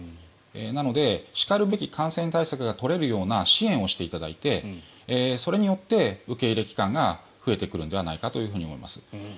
なので、しかるべき感染対策が取れるような支援をしていただいてそれによって受け入れ機関が増えていくのではないかと思います。